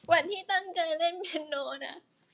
วันที่ตั้งใจเล่นเคนโนนะ